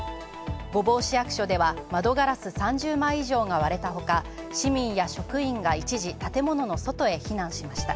御坊市役所では窓ガラス３０枚以上が割れたほか市民や職員が一時建物の外へ避難しました。